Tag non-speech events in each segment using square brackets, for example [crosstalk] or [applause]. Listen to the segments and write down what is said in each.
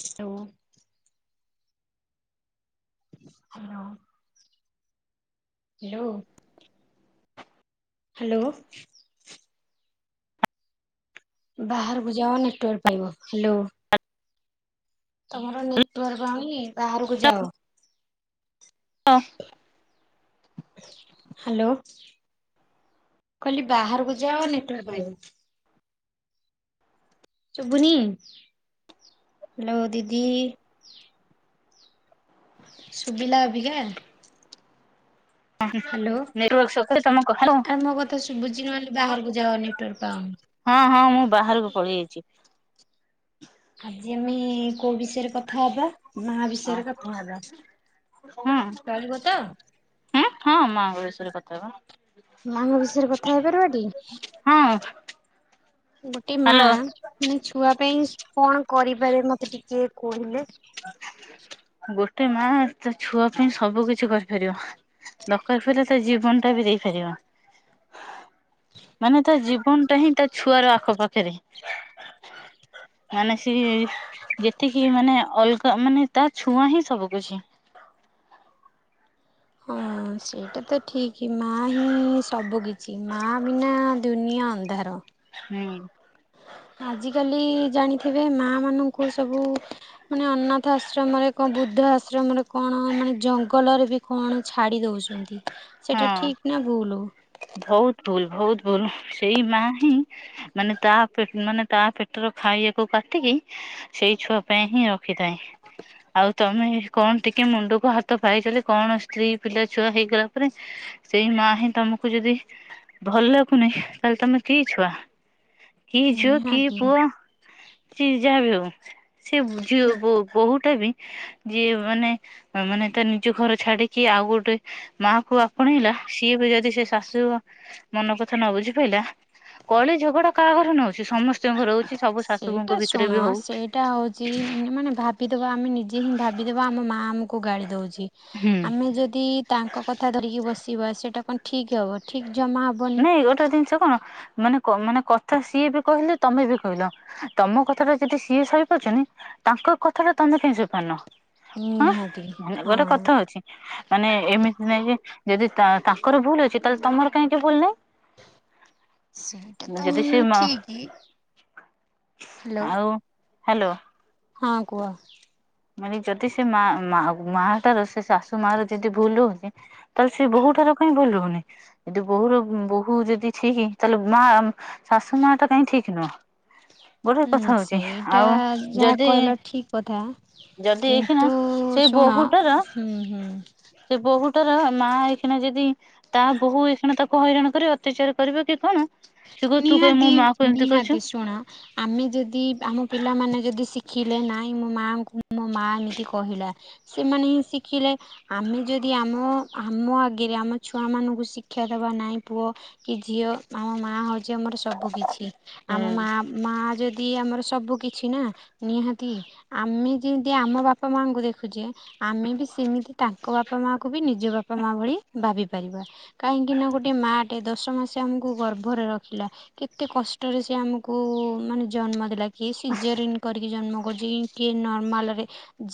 Hello hello hello hello. ବାହାରକୁ ଯାଅ network ପାଇବ ହ୍ୟାଲୋ। ତମର ନେଟୱାର୍କ ପାଉନାଇ ବାହାରକୁ ଯାଅ। ହଁ। ହ୍ୟାଲୋ। କହିଲି ବାହାରକୁ ଯାଅ ନେଟୱାର୍କ ପାଇବ। ସୁବୁନି ହ୍ୟାଲୋ ଦିଦି। ଶୁଭିଲା ଅଭିିକା। [inaudible] ତମ କଥାକୁ ଆରେ ମୋ କଥା ଶୁଭୁଛି ନହେଲେ ବାହାରକୁ ଯାଅ ନେଟୱାର୍କ ପାଉନି ହଁ ହଁ ମୁଁ ବାହାରକୁ ପଳେଇ ଆଇଛି। ଆଜି ଆମେ କୋଉ ବିଷୟରେ କଥା ହବା। ମା ବିଷୟରେ କଥା ହେବା ହୁଁ ଚଲିବ ତ। ହୁଁ ହଁ ମା ବିଷୟରେ କଥା ହେବା। ମାଙ୍କ ବିଷୟରେ କଥା ହେଇପାରିବା କି? ହଁ। ଗୋଟେ ମା ହ୍ୟାଲୋ। ମାନେ ଛୁଆ ପାଇଁ କଣ କରିପାରେ ମତେ ଟିକେ କହିଲେ? ଗୋଟେ ମା ତା ଛୁଆ ପାଇଁ ସବୁ କିଛି କରିପାରିବ। ଦରକାର ପଇଲେ ତା ଜୀବନଟା ବି ଦେଇପାରିବ। [unintelligible] ମାନେ ତା ଜୀବନ ଟା ହିଁ ତା ଛୁଆର ଆଖପାଖ। ସତରେ ମାନେ ସ ଯେତିକି ମାନେ। ଅଲଗା ମାନେ ତା ଛୁଆ ହିଁ ସବୁ କିଛି। ଓହଁ। ସେଇଟା ତ ଠିକ ମା ହିଁ ସବୁ କିିଛି ମା ବିନା ଦୁନିଆ ଅନ୍ଧାର। ହୁଁ। ଆଜିକାଲି ଜାଣିଥିବେ ମା ମାନଙ୍କୁ ସବୁ ମାନେ ଅନାଥ ଆଶ୍ରମରେ କଣ ବୃଦ୍ଧ ଆଶ୍ରମରେ କଣ ମାନେ ଜଙ୍ଗଲରେ ବି କଣ ଛାଡ଼ି ଦେଉଛନ୍ତି ସେଇଟା ହଁ। ଠିକ୍ ନା ଭୁଲ। ବହୁତ ଭୁଲ ବହୁତ ଭୁଲ ସେଇ ମା ହିଁ। ମାନେ ତା ମାନେ ତା ପେଟର ଖାଇବାକୁ କାଟିକି। ସେଇ ଛୁଆ ପାଇଁ ହିଁ ରଖିଥାଏ। ଆଉ ତମେ କଣ ଟିକେ ମୁଣ୍ଡକୁ ହାତ ପାଇଗଲେ କଣ ସ୍ତ୍ରୀ ପିଲା ଛୁଆ ହେଇଗଲା ପରେ ସେଇ ମା ହିଁ ତମକୁ କୁ ଯଦି ଭଲ ଲାଗୁନି ତାହେଲେ ତମେ କିଏ ଛୁଆ। କି ଝୁଅ ନିହାତି କିପୁଅ କି ଯାହା ବି ହଉ। ସେ ବୁ ଝିଅ ବୋହୁୂଟା ବି ଯିଏ ମାନେ ମାନେ ତା ନିଜ ଘର ଛାଡିକି ଆଉ ଗୋଟେ ମା କୁ ଆପଣେଇଲା ସିଏ ବି ଯଦି ସେ ଶାଶୁ ମନ କଥା ନ ବୁଝି ପାଇଲା କଳି ଝଗଡା କାହାଘରେ ନହଉଛି ସମସ୍ ସ୍ତଙ୍କ ଘରେ ହଉଛି ସବୁ ସେଇଟା ଶାଶୁୁଙ୍କ ଭିତରେ ଶୁଣ ବି ହଉ ସେଇଟା ହଉଛି ମାନେ ଭାବିଦେବା ଆମେ ନିଜେ ହିଁ ଭାବିଦେବା ଆମ ମାଆ ଆମକୁ ଗାଳି ଦଉଛି ହୁଁ ଆମେ ଯଦି ତାଙ୍କ କଥା ଧରିକି ବସିବା ସେଟା କଣ ଠିକ ହବ ଠିକ ଜମା ହବ ନାଇଁ ଗୋଟେ ଜିନିଷ କଣ ମାନେ ମାନେ କଥା ସିଏ ବି କହିଲେ ତମେ ବି କହିଲ ତମ କଥା ଟା ଯଦି ସିଏ ସହିପାରୁଛନ୍ତି ତାଙ୍କ କଥାଟା ତମେ କାଇଁ ସଇପାରୁନ ଆଁ ନିହାତି ମାନେ ଗୋଟେ ହଁ। କଥା ଅଛି ମାନେ ଏମିତି ନାଇଁ ଯେ ଯଦି ତାଙ୍କର ଭୁଲ ଅଛି ତାହେଲେ ତମର କାଇଁ ଭୁଲ ନାଇଁ। ସେଇଟା ତ ଠିକ। ହ୍ୟାଲୋ। ଆଉ ହ୍ୟାଲୋ। ହଁ କୁହ। ମାନେ ଯଦି ସେ ମା ମା ମାଟାର ସେ ଶାଶୁମା ର ଯଦି ଭୁଲ ହଉଛି ତାହେଲେ ସେ ବହୁଟାର କାଇଁ ଭୁଲ ହଉନି। ଯଦି ବୋହୁର ବୋହୂ ଯଦି ଠିକ୍ ତାହେଲେ ମା ଶାଶୁ ମା ଟା କାହିଁ ଠିକ୍ ନୁହଁ? ଗୋଟେ ହୁଁ କଥା ହଉଛି ସେଇଟା ଆଉ ଯାହା ଯଦି କହିଲ ଠିକ। କଥା ଯଦି ଏଇଖିଣା କିନ୍ତୁ ସେଇ ଶୁଣ ବୋହୂଟାର ହୁଁ ହୁଁ। ସେ ବୋହୁଟାର ମା ଏଇଖିଣା ଯଦି ତା ବୋହୁ ଏଇକ୍ଷିଣା ତାକୁ ହଇରାଣ କରି ଅତ୍ୟାଚାର କରିବ କି କଣ ସେ କହିବ ତୁ କାଇଁ ମୋ ନିହାତି ମା କୁ ଏମିତି କହିଛୁ ନିହାତି ଶୁଣ ଆମେ ଯଦି ଆମ ପିଲାମାନେ ଯଦି ଶିଖିଲେ ନାଇଁ ମୋ ମାଆଙ୍କୁ ମୋ ମା ଏମିତି କହିଲା ସେମାନେ ହିଁ ଶିଖିଲେ। ଆମେ ଯଦି ଆମ ଆମ ଆଗରେ ଆମ ଛୁଆମାନଙ୍କୁ ଶିକ୍ଷା ଦେବା ନାଇଁ ପୁଅ କି ଝିଅ ଆମ ମା ହଉଛି ଆମର ସବୁ କିଛି ଆମ ମା ମା ଯଦି ଆମର ସବୁ କିଛି ନା ନିହାତି ଆମେ ଯେନ୍ତି ଆମ ବାପା ମାଙ୍କୁ ଦେଖୁଛେ ଆମେ ବି ସେମିତି ତାଙ୍କ ବାପା ମା କୁ ବି ନିଜ ବାପା ମା ଭଳି ଭାବି ପାରିବା। କାହିଁକି ନା ଗୋଟେ ମାଟେ ଦଶ ମାସେ ଆମକ କୁ ଗର୍ବରେ ରଖିଲା କେତେ କଷ୍ଟରେ ସେ ଆମକୁ ମାନେ ଜନ୍ମ ଦେଲା। କିଏ ସିଜରିନ କରିକି ଜନ୍ମ କରିଛି କିଏ ନର୍ମାଲରେ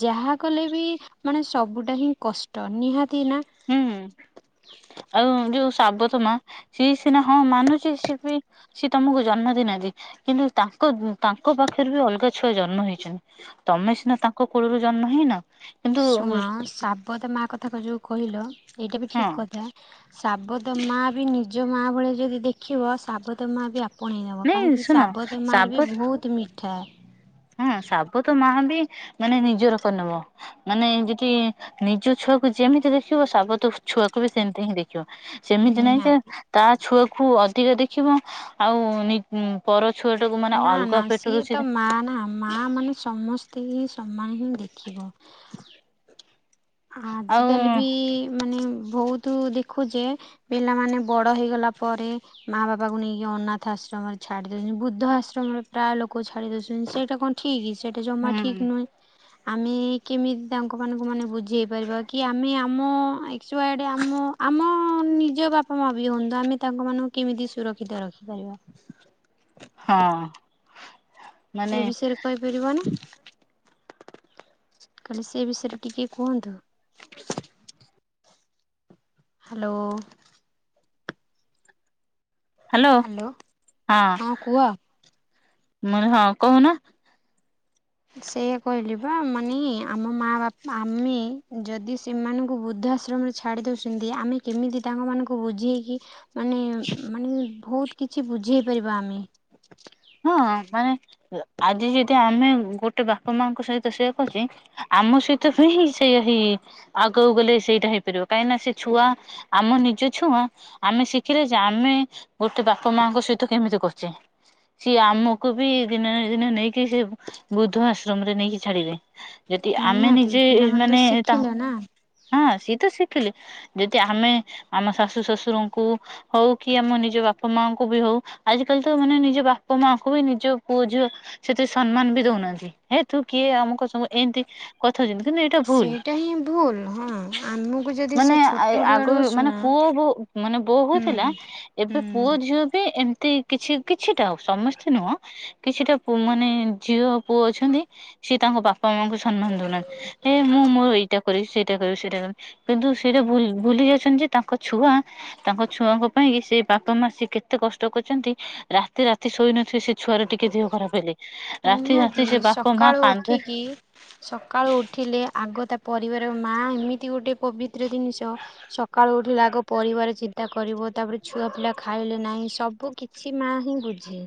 ଯାହା କଲେ ବି ମାନେ ସବୁଟା ହିଁ କଷ୍ଟ ନିହାତି ନା ହୁଁ। ଆଉ ଯୋଉ ସାବତ ମା ସି ସିନା ହଁ ମାନୁଛି ସିଏ ବି ସି ତମକୁ ଜନ୍ମ ଦେଇନାହାନ୍ତି କିନ୍ତୁ ତାଙ୍କ ତାଙ୍କ ପାଖରେ ବି ଅଲଗା ଛୁଆ ଜନ୍ମ ହେଇଛନ୍ତି। ତମେ ସିନା ତାଙ୍କ କୂଳରୁ ଜନ୍ମ ହେଇନ କିନ୍ତୁ ହଁ ଶୁଣ ଶାବତ ମା କଥା କ ଯୋଉ କହିଲ ଏଇଟା ବି ଠିକ କଥା ଶାବତ ମା ବି ନିଜ ମାଆ ଭଳିଆ ଯଦି ଦେଖିବ ଶାବତ ମା ବି ଆପ ଆପଣେଇ ନବ ନାଇଁ କାହିଁକି ଶୁଣ ସାବତ ମାର ବି ବହୁତ ମିଠା। ହୁଁ ଶାବ ତ ମା ବି ମାନେ ନିଜର କର ନମ ମାନେ ଯଦି ନିଜ ଛୁଆକୁ ଯେମିତି ଦେଖିବ ସାବତ ଛୁଆକୁ ବି ସେମିତି ହିଁ ଦେଖିବ। ସେମିତି ନହିଁ ଯେ ନିହାତି ତା ଛୁଆକୁ ଅଧିକ ଦେଖିବ ଆଉ। ଉଁ ପର ଛୁଆଟାକୁୁ ମାନେ ନା ଅଲଗା ନା ସିଏ ପେଟୁରୁଛି? ତ ମା ନା। ମା ମାନେ ସମସ୍ତ ଙ୍କି ହିଁ ସମାନେ ହିଁ ଦେଖେ। ଆଉ ଆଜିକାଲି ବି ମାନେ ବହୁତ ଦେଖୁଛେ। ପିଲାମାନେ ବଡ ହେଇଗଲା ପରେ। ମା ବାପାଙ୍କୁ ନେଇକି ଅନାଥ ଆଶ୍ରମରେ ଛାଡି ଦଉଛନ୍ତି ବୁଦ୍ଧ ଆଶ୍ରମରେ ପ୍ରାୟ ଲୋକ ଛାଡି ଦଉଛନ୍ତି ସେଇଟା କଣ ଠିକ୍ ଡିସାଇଡି। ଜମା ହୁଁ ଠିକ ନୁହେ ଆମେ କେମିତି ତାଙ୍କ ମାନଙ୍କୁ ମାନେ ବୁଝେଇ ପାରିବା କି ଆମେ। ଆମ ଆଚୁଆଡ ଆମ ଆମ ନିଜ ବାପା ମା ବି ହୁଅନ୍ତୁ ଆମେ ତାଙ୍କ ମାନଙ୍କୁ। କେମିତି ସୁରକ୍ଷିତ ରଖିପାରିବା। [inaudible] ହଁ। ମାନେ ସେ ବିଷୟରେ କହିପାରିବ ନା। କାଲେ ସେ ବିଷୟରେ ଟିକିେ କୁହନ୍ତୁ। ହାଲୋ। ହାଲୋ ହ୍ୟାଲୋ ହଁ ମୁଁ ହଁ କହୁନ। ସେଇଆା କହିଲେ ବା ମାନେ ଆମ ମା ବାପା ଆମେ ଯଦି ସେମାନଙ୍କୁ ବୃଦ୍ଧାଶ୍ରମରେ। ଛାଡି ଦଉଛନ୍ତି ଆମେ କେମିତି ତାଙ୍କ ମାନଙ୍କୁ ବୁଝେଇକି ମାନେ। [inaudible] ମାନେ ବହୁତ କିଛି ବୁଝେଇ ପାରିବା ଆମେ। ହଁ ମାନେ ଆଜି ଯଦି ଆମେ ଗୋଟେ ବାପା ମାଙ୍କ ସହିତ ସେଆ କରଛି। ଆମ ସହିତ ହିଁ ସେଇୟା ଆଗକୁ ଗଲେ ସେଇଟା ହେଇପାରିବ କାହିଁକି ନା ସେ ଛୁଆ। ଆମ ନିଜ ଛୁଆ ଆମେ ଶିଖିଲେ ଯେ ଆମେ ଗୋଟେ ବାପା ମାଙ୍କ ସହିତ କେମିତି କରୁଛେ। ସିଏ ଆମକୁ ବି ଦିନେ ନା ଦିନେ ନେଇକି ସେ ବୃଦ୍ଧ ଆଶ୍ରମରେ ନେଇକି ଛାଡିବେ। ଯଦି ଆମେ ନିହାତି ନିଜେ ପିଲାମାନେ ମାନେ ତ ତା ଶିଖିଲେ ନା ହଁ ସିଏ ତ ଶିଖିଲେ। ଯଦି ଆମେ ଆମ ଶାଶୁ ଶଶୁରଙ୍କୁ। ହଉ କି ଆମ ନିଜ ବାପା ମାଙ୍କୁ ବି ହଉ ଆଜ କାଲି ତ ମାନେ ନିଜ ବା ପା ମାଙ୍କୁ ବି ନିଜ ପୁଅ ଝିଅ ସେଥିରେ ସମ୍ମାନ ବି ଦଉନାହାନ୍ତି। ହେ ତୁ କିଏ ଆମଙ୍କୁ ସବୁ ଏମିତି କଥା ହଉଛନ୍ତି କିନ୍ତୁ ଏଇଟା ଭୁଲ। ସେଇଟା ହିଁ ଭୁଲ ହଁ ଆମକୁ ଯଦି ମାନେ ସେ ଛୋଟ ବେଳୁ ଆଗରୁ ମାନେ ଶୁଣ ପୁଅ ବହୁ। ମାନେ ହୁଁ ବୋହୁଥିଲା ଏବେ ହୁଁ ପୁଅ ଝିଅ ବି ଏମିତି କିଛି କିଛିଟା ହଉ। ସମସ୍ତେ ନୁହଁ କିଛିଟା ମାନେ ଝିଅ ପୁଅ ଅଛନ୍ତି ସେ। ତାଙ୍କ ବାପା ମାଆଙ୍କୁ ସମ୍ମାନ ଦଉନାହାନ୍ତି ଏ ମୁଁ ମୋର ଏଇଟା କରିବ ସେଇଟା କରିବି ସେଇଟା। କିନ୍ତୁ ସେଟା ଭୁଲ ଭୁଲି ଯାଉଛନ୍ତି ଯେ ତାଙ୍କ ଛୁଆ। ତାଙ୍କ ଛୁଆଙ୍କ ପାଇଁ ସେ ବାପା ମା ସେ କେତେ କଷ୍ଟ କରିଛନ୍ତି ରାତି ରାତି। ରାତି ଶୋଇ ନଥିବେ ସେ ଛୁଆରେ ଟିକେ ଦେହ ଖରାପ ହେଲେ ରାତି ନିହାତି ରାତି ସେ ବାପା ମା ସକାଳୁ କାନ୍ଦ। ଉଠିକି ସକାଳୁ ଉଠିଲେ ଆଗ ତା ପରିବାର ମା ଏମିତି ଗୋଟେ ପବିତ୍ର ଜିନିଷ। ସକାଳୁ ଉଠିଲେ ଆଗ ପରିବାର ଚିନ୍ତା କରିବ ତାପରେ ଛୁଆ ପିଲା ଖାଇଲେ ନାହିଁ ସବୁ କି। କିଛି ମା ହିଁ ବୁଝେ।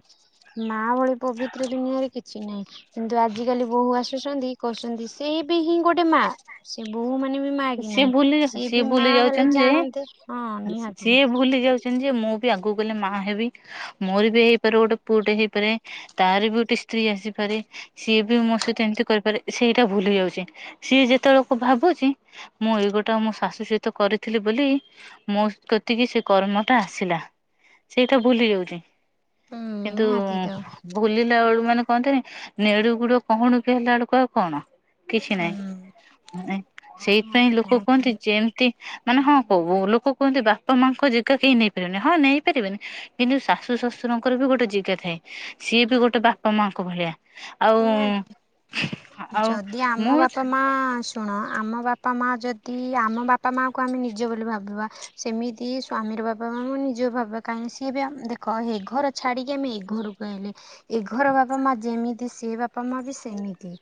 ମା ଭଳି ପବିତ୍ର ଦୁନିଆରେ କିଛି ନାହିଁ କିନ୍ତୁ ଆଜିକାଲି ବୋହୂ ଆସୁଛନ୍ତି। କହୁଛନ୍ତି ସେ ବି ହିଁ ଗୋଟେ ମା। ସେ ବୋହୂ ମାନେ ବି ମା କି ସିଏ ନାହିଁ ଭୁଲି ସିଏ ବି ଭୁଲି ମା ହେଲେ ଯାଉଛନ୍ତି ଯେ ଜାଣନ୍ତେ ହଁ ନିହାତି। ସେମିନ୍ତି ଯେ ମୁଁ ବି ଆଗକୁ ଗଲେ ମାଆ ହେବି। ମୋର ବି ହେଇପାରେ ଗୋଟେ ପୁଅଟେ ହେଇପାରେ, ତାର ବି ଗୋଟେ ସ୍ତ୍ରୀ ଆସିପାରେ। ସିଏ ବି ମୋ ସହିତ ଏମିତି କରିପାରେ ସେଇଟା ଭୁଲି ଯାଉଚି, ସିଏ ଯେତେବେଳକୁ ଭାବୁଚି ମୁଁ ଏଇଗୋଟା ମୋ ଶାଶୁ ସହିତ କରିଥିଲି ବୋଲି ମୋ କତିକି ସେ କର୍ମଟା ଆସିଲା ସେଇଟା ଭୁଲି ଯାଉଚି। ହୁଁ କିନ୍ତୁ ନିହାତି ତ ଭୁଲିଲା ବେଳୁ ମାନେ କହନ୍ତିନି ନେଡୁ ଗୁଡ କହୁଣି କି ହେଲା ବେଳକୁ ଆଉ କଣ। କିଛି ହୁଁ ନହିଁ ନିହାତି ମାନେ ସେଇଥିପାଇଁ ଲୋକ ନିହାତି କୁହନ୍ତି ଯେ ମିତି ମାନେ ହଁ କୋହୁ ଲୋକ କୁହନ୍ତି ବାପା ମାଙ୍କ ଜାଗା କେହି ନେଇପାରିବେନି ହଁ ନେଇପାରିବେନି। କିନ୍ତୁ ଶାଶୁ ଶଶୁରଙ୍କର ବି ଗୋଟେ ଜେଗା ଥାଏ। ସିଏ ବି ଗୋଟେ ବାପା ମାଙ୍କ ଭଳିଆ। ନିହାତି ଆଉଁ ଆ-ଆଉ ଯଦି ଆମ ବାପା ମୁଁ ମା ଶୁଣ ଆମ ବାପା ମା ଯଦି ଆମ ବାପା ମାଙ୍କୁ ଆମେ ନିଜ ବୋଲି ଭାବିବା। ସେମିତି ସ୍ଵାମୀର ବାପ ମା ଆମ ନିଜ ବାପା କାହିଁକି ସିଏ ବି ଆ ଦେଖ ଏ ଘର ଛାଡିକି ଆମେ ଏ ଘରୁ ରହିଲେ ଏ ଘର ବାପା ମା ଯେମିତି ସେ ବାପା ମା ବି ସେମିତି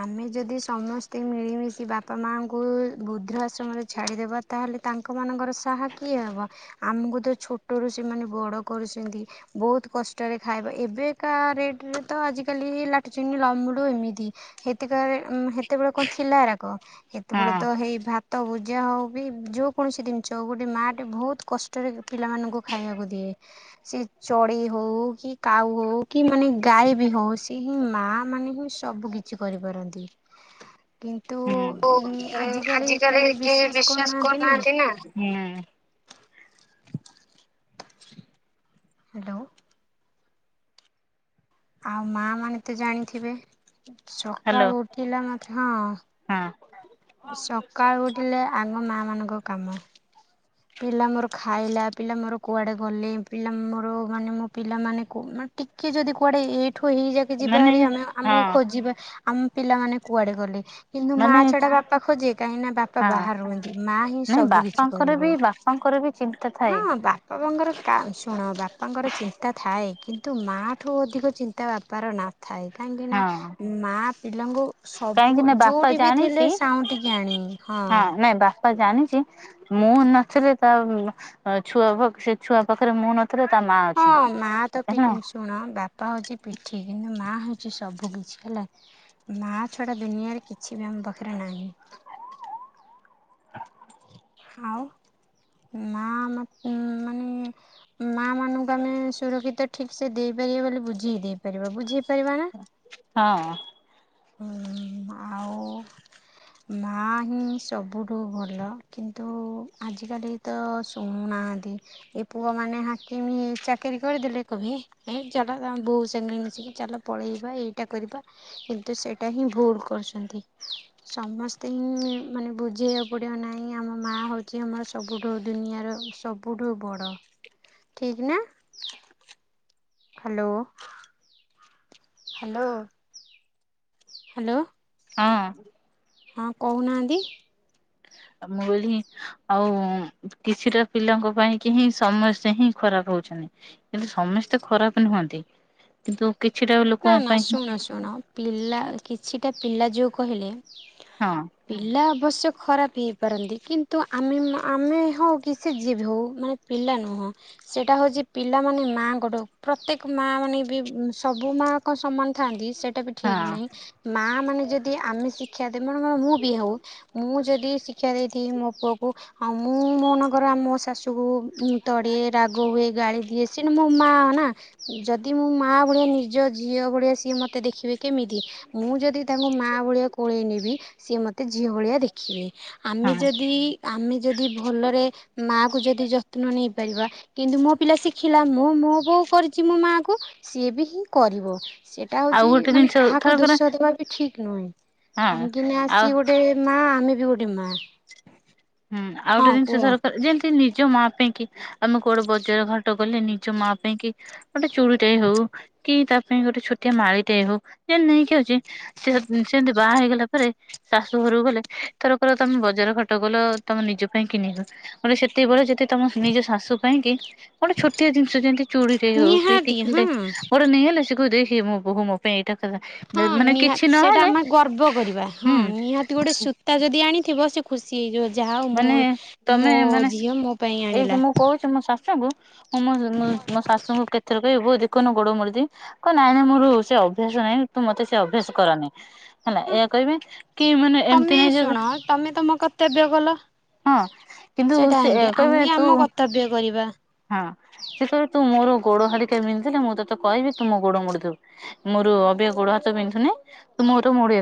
ଆମେ ଯଦି ସମସ୍ତେ ମିଳିମିଶି ବାପା ମାଙ୍କୁ ବୃଧ୍ର ଆଶ୍ରମରେ ଛାଡିଦେବା। ତାହେଲେ ତାଙ୍କମାନଙ୍କର ସାହା କିଏ ହେବ। ଆମକୁ ତ ଛୋଟରୁ ସେମାନେ ବଡ କରୁଚନ୍ତି। ବହୁତ କଷ୍ଟରେ ଖାଇବା ଏବେକା ରେଟରେ ତ ଆଜି କାଲି ଲାଟଚିନି ଲମୁଡୁ [unintelligible] ଏମିତି ହେତିକରେ ଉଁ ହେ ସେତେବେଳେ କଣ ଥିଲା ଏରାକ ସେତେବେଳେ ତ ହଁ ହେଇ ଭା ତ ଭୁଜା ହୋଉ ବି ଯୋଉ କୌଣସି ଜିନିଷ ହୋଉ ଗୋଟେ ମା ଟେ ବୋହୁତ କ [unintelligible] ପିଲାମାନଙ୍କୁ ଖାଇବାକୁ ଦିଏ। ସେ ଚଡେଇ ହୋଉ କି କାଉ ହୋଉ କି ମାନେ ଗାଈ ବି ହୋଉ ସେ ହିଁ ମା ମାନେ ହିଁ ସବୁ କିଛି କରିପାରନ୍ତି। କିନ୍ତୁ ଉଁ ଆଜିକାଲି କେହି ବିଶ୍ଵାସ କରୁନାହାଁନ୍ତି ନା। ହୁଁ। ହ୍ୟାଲୋ। ଆଉ ମା ମାନେ ତ ଜାଣିଥିବେ ହ୍ୟାଲୋ ସକାଳୁ ଉଠିଲା ମଧ୍ୟ ହଁ। ହଁ। ସକାଳୁ ଉଠିଲେ ଆଗ ମାଆ ମାନଙ୍କ କାମ। ପିଲା ମୋର ଖାଇଲା ପିଲା ମୋର କୁଆଡେ ଗଲେ ପିଲା ମୋର ମାନେ ମୋ ପିଲାମାନେ କୋ ମାନେ ଟି ଟିକେ ଯଦି କୁଆଡେ ଏ-ଏଇଠୁ ଏଇଯା [unintelligible] ମାନେ ଯିବାହାରି ଆମେ ଆମକୁ ହଁ ଖୋଜିବା ଆମ ପିଲାମାନେ କୁଆଡେ ଗଲେ। କିନ୍ତୁ ମା ମାନେ ଛଡା ବାପା ଖୋଜେ କାହିଁକି ନା ବାପା ହଁ ବାହାରେ ରୁହନ୍ତି। ମା ହିଁ ସବୁ କିିଛି କରିବ। ତାପଙ୍କର ବି ଚିନ୍ତା ଥାଏ। ବାପା ବୋଉଙ୍କର କା ଶୁଣ ବାପାଙ୍କର ଚିନ୍ତା ଥାଏ କିନ୍ତୁ ମା ଠୁ ଅଧିକ ଚିନ୍ତା ବାପାର ନା ଥାଏ କାହିଁକି ନା ହଁ ମା ପିଲାଙ୍କୁ କାହିଁକି ସବୁ ନା ବାପା ଯୋଉଠି ବି ଥିଲେ ଜାଣିଛି ସାଉଣ୍ଟିକି ଆଣିମି ହଁ। ମୁଁ ପା ଜାଣିଚି ମୁଁ ନଥିଲେ ତା ଉଁ ଛୁଆ ଭାକ୍ ସେ ଛୁଆ ପାଖରେ ମୁଁ ନଥିଲେ ତା ମା ଅଛି ହଁ ମା ତ ପି ହେଲା। ଶୁଣ ବାପା ହୋଉଚି ପିଠି କିନ୍ତୁ ମାଆ ହୋଉଚି ସବୁ କିିଛି ହେଲା। ମା ଛଡା ଦୁନିଆରେ କିଛି ବି ଆମ ପାଖରେ ନାହିଁ। ଆଉ ମା ନଥି ମାନେ ମା ମାନଙ୍କୁ ଆମେ ସୁରକ୍ଷିତ ଠିକ୍ ସେ ଦେଇପାରିବା ବୋଲି ବୁଝେଇ ଦେଇପାରିବା ବୁଝେଇ ପାରିବା ନା। ହଁ। ହୁଁ ଆଉ। ମା ହିଁ ସବୁଠୁ ଭଲ କିନ୍ତୁ ଆଜିକା ତ ଶୁଣୁନାହାନ୍ତି ଏ ପୁଅମାନୋନେ ହାକମି ଚାକିରିୀ କରିଦେଲେ କବି ଏ ଚାଲ ବୋଉ ସାଙ୍ଗେ ମିଶିକି ଚାଲ ପଳେଇବା ଏଇଟା କରିବା ତ ସେଇଟା ହିଁ ଭୁଲ କରୁଛନ୍ତି ସମସ୍ତେ ହିଁ ମାନେ ବୁଝେଇବାକୁ ପଡିବ ନାହିଁ ଆମ ମା ହଉଛି ଆମର ସବୁଠୁ ଦୁନିଆର ସବୁ ସବୁଠୁ ବଡ଼ ଠିକ୍ ନା ହ୍ୟାଲୋ ହ୍ୟାଲୋ ହ୍ୟାଲୋ ହଁ ହଁ କହୁନାହାନ୍ତି ଆ ମୁଁ କଇଲି ଆଉ କିଛିଟା ପିଲାଙ୍କ ପାଇଁ କି ହିଁ ସମସ୍ତେ ହିଁ ଖରାପ ହଉଛନ୍ତି କିନ୍ତୁ ସମସ୍ତେ ଖରାପ ନୁହନ୍ତି କିନ୍ତୁ କିଛିଟା ଲୋ ନା ନା ଶୁଣ ଶୁଣ ପିଲା କିଛିଟା ପିଲା ଯୋଉ କହିଲେ ହଁ ପିଲା ଅବଶ୍ୟ ଖରାପ ହେଇପାରନ୍ତି କିନ୍ତୁ ଆମେ ଆମେ ହଉ କି ସେ ଯଏ ବି ହଉ ମାନେ ପିଲା ନୁହଁ ସେଇଟା ହେଉଛି ପିଲାମାନେ ମାଆ ଗୋଟ ପ୍ରତ୍ୟେକ ମାଆ ମାନେ ବି ସବୁ ସବୁ ମା କଣ ସମାନ ଥାନ୍ତି ସେଇଟା ବି ହଁ ଠିକ ନାହିଁ ମା ମାନେ ଯଦି ଆମେ ସି ଶିକ୍ଷା ଦେ ମ ମୁଁ ବି ହଉ ମୁଁ ଯଦି ଶିକ୍ଷା ଦେଇଥି ମୋ ପୁଅ ଆଉ ମୁଁ ମୋ ନଗର ମୋ ଶାଶୁକୁ ତଡ଼ିଏ ରାଗ ହୁଏ ଗାଳି ଦିଏ ସେଟା ମୁଁ ମା ନା ଯଦି ମୁ ମା ଭଳିଆ ନିଜ ଝିଅ ଭଳିଆ ସିଏ ମତେ ଦେଖିବେ କେମିତି ମୁଁ ଯଦି ତାଙ୍କୁ ମାଆ ଭଳିଆ କୋଳେଇ ନେବି ସିଏ ମୋତେ ଝିଅ ଭଳିଆ ଦେଖିବେ ଆମେ ହଁ ଯଦି ଆମେ ଯଦି ଭଲରେ ମା କୁ ଯଦି ଯତ୍ନ ନେଇପାରିବା କିନ୍ତୁ ମୋ ପିଲା ଶିଖିଲା ମୁଁ ମୋ ବୋଉ କରିଛି ମୋ ମା କୁ ସିଏ ବି ହିଁ କରିବ ସେଇଟା ଆଉ ହଉଛି ଗୋଟେ ମାନେ ଜିନିଷ କାହାକୁ ଥରକରେ ଦୋଷ ଦବା ବି ଠିକ ନୁହେଁ ହଁ କାହିଁକି ନା ଆଉ ସିଏ ଗୋଟେ ମା ଆମେ ବି ଗୋଟେ ମା ହୁଁ ଆଉ ହଁ ଗୋଟେ କୁହ। ଜିଷରକାର ଯେ ସେ ନିଜ ମା ପାଇଁ କି ଆମେ କୋଉଡେ ବଜାର ଘାଟ ଗଲେ ନିଜ ମା ପାଇଁ କି ଗୋଟେ ଚୁଡ଼ି ଟେ ହଉ କି ତା ପାଇଁ ଗୋଟେ ଛୋଟିଆ ମାଳି ଟେ ହଉ ଯେମେତି ନେଇକି ଆଉଛେ ସେମିତି ବାହା ହେଇଗଲା ପରେ ଶାଶୁ ଘରକୁ ଗଲେ ଥରକର ତମେ ବଜାର ଘାଟ ଗଲ ତମେ ନିଜ ପାଇଁ କି ନିବ ଗୋଟେ ସେତେବେଳେ ଯଦି ତମ ନିଜ ଶାଶୁ ପାଇଁ କି ଗୋଟେ ଛୋଟିଆ ଜିନିଷ ଯେମିତି ଚୁଡ଼ି ଟେ ହଉ କି ନିହାତି ଟିକିଲି ହଁ ଟେ ଗୋଟେ ନେଇଆଇଲେ ସେ କହିବ ଦେଖେ ମ ବହୁ ମ ପାଇଁ ଏଇଟା କଥା ହଁ ମାନେ ନିହାତି କିଛି ସେଇଟା ନହେଲେ ଆମେ ହୁଁ ତା ଯଦି ଆଣିଥିବ ସେ ଖୁସି ହେଇଯିବ ଯାହା ହଉ ମୋ ମାନେ ମୋ ତମେ ମାନେ ଝିଅ ମୋ ପାଇଁ ଏଇ ଆଣିଲା ମୁଁ କହୁଛି ମୋ ଶାଶୁଙ୍କୁ ମୁଁ ମୋ ମୋ ଶାଶୁଙ୍କୁ କେତଥର କହିବି ବଉ ଦେ କନ ଗୋଡ ମୋଡି ଦିଏ କହ ନାଇଁ ନାଇଁ ମୋର ସେ ଅଭ୍ୟାସ ନାଇଁ ତୁ ମତେ ସେ ଅଭ୍ୟାସ କରାନାଇ ହେଲା ଏହା କହିବେ କି ମାନେ ତମେ ଏମିତି ନାଇଁ ଜେ ଶୁଣ ତମେ ତମ କର୍ତ୍ତବ୍ୟ ଗଲ ହଁ କିନ୍ତୁ ସେୟା କହିବେ ତୁ ଆମ କର୍ତ୍ତବ୍ୟ କରିବା। ହଁ ସେ କ ତୁ ମୋର ଗୋଡ ହରିକା ବିନ୍ଧିଲେ ମୁଁ ତୋତେ କହିବି ତୁ ମୋ ଗୋଡ ମୁଡି ଦବୁ ମୋର ଅବିକା ଗୋଡ ହାତ ବିନ୍ଧୁନି ତୁ ମୋର ମୋଡି ଆ